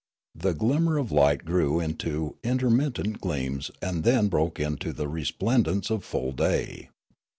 The glim mer of light grew into intermittent gleams and then broke into the resplendence of full day.